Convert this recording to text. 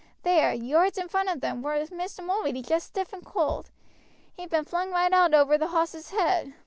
There, yards in front of them, were Mr. Mulready just stiff and cold. He'd been flung right out over the hoss' head.